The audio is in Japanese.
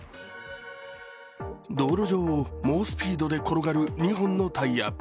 道路上を猛スピードで転がる２本のタイヤ。